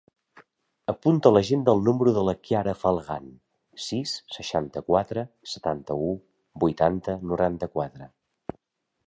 Apunta a l'agenda el número de la Chiara Falagan: sis, seixanta-quatre, setanta-u, vuitanta, noranta-quatre.